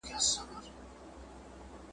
زمري وخوړم کولمې یووړې ګیدړي ,